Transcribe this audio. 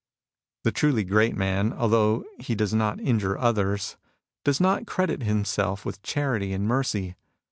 The truly great man, although he does not injure others, does not credit himself with charity and mercy.